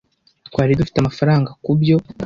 twari dufite amafaranga kubyo.